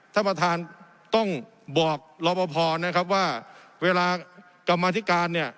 ท่านประธานต้องบอกรอปภนะครับว่าเวลากรรมธิการเนี่ย